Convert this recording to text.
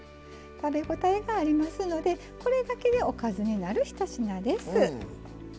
食べ応えがありますのでこれだけでおかずになる１品です。